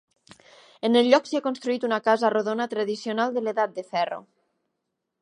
En el lloc s'hi ha construït una casa rodona tradicional de l'Edat de Ferro.